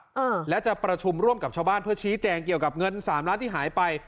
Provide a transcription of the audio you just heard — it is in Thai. เออและจะประชุมร่วมกับชาวบ้านเพื่อชี้แจงเกี่ยวกับเงินสามล้านที่หายไป